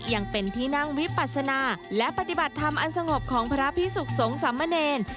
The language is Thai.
ยังเป็นที่นั่งวิปัสนาและปฏิบัติธรรมอันสงบของพระพิสุขสงสามเณร